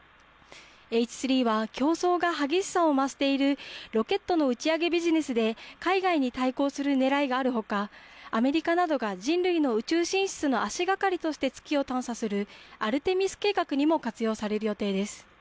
Ｈ３は競争が激しさを増しているロケットの打ち上げビジネスで海外に対抗するねらいがあるほかアメリカなどが人類の宇宙進出の足がかりとして月を探査するアルテミス計画にも活用される予定です。